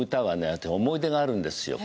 私思い出があるんですよ。